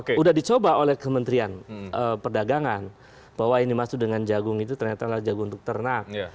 sudah dicoba oleh kementerian perdagangan bahwa yang dimaksud dengan jagung itu ternyata adalah jagung untuk ternak